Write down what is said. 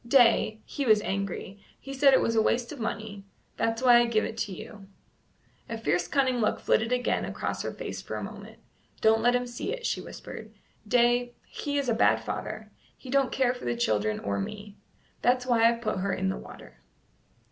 "Day, he was angry; he said it was waste of money; that's why I give it to you." A fierce cunning look flitted again across her face for a moment. "Don't let him see it," she whispered. "Day, he is a bad father; he don't care for the children or me. That's why I've put her in the water."